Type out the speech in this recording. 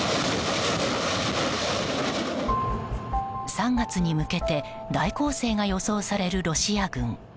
３月に向けて大攻勢が予想されるロシア軍。